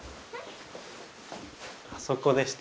あそこでした。